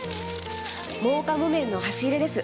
真岡木綿の箸入れです。